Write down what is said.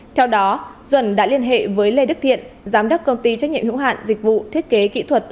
theo đó duẩn đã liên hệ với lê đức thiện giám đốc công ty trách nhiệm hữu hạn dịch vụ thiết kế kỹ thuật